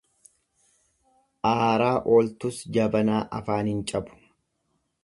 Aaraa ooltus jabanaa afaan hin cabu.